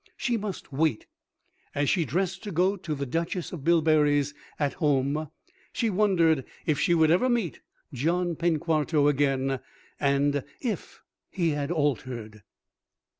She must wait. As she dressed to go to the Duchess of Bilberry's "At Home," she wondered if she would ever meet John Penquarto again, and if he had altered.